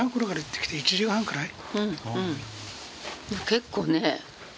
結構ね。